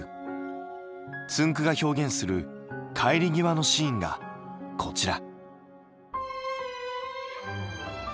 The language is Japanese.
つんく♂が表現する帰り際のシーンがこちら。